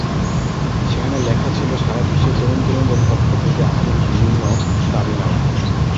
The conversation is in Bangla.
সেখানে লেখা ছিল সারা বিশ্বের তরুণ-তরুণীদের পক্ষ থেকে আমাদের বিভিন্ন দাবিনামা।